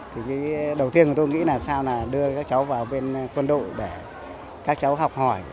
thì cái đầu tiên của tôi nghĩ là sao là đưa các cháu vào bên quân đội để các cháu học hỏi